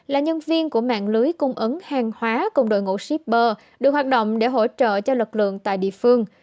là nhân viên của mạng lưới cung ứng hàng hóa cùng đội ngũ shipper được hoạt động để hỗ trợ cho lực lượng tại địa phương